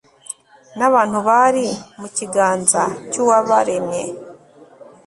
n'abantu bari mu kiganza cy'uwabaremye